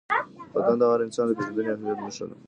وطن د هر انسان د پېژندنې او هویت نښه ده.